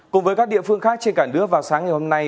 cùng với các địa phương khác trên cảnh đứa vào sáng ngày hôm nay